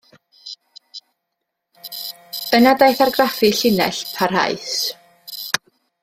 Yna daeth argraffu llinell, parhaus.